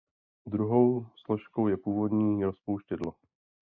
Druhou složkou je původní rozpouštědlo.